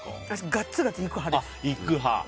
ガツガツ行く派です。